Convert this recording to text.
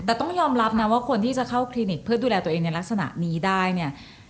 แต่ต้องยอมรับนะว่าคนที่จะเข้าคลินิกเพื่อดูแลตัวเองในลักษณะนี้ได้เนี่ย